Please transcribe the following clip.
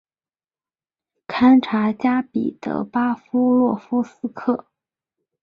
堪察加彼得巴夫洛夫斯克。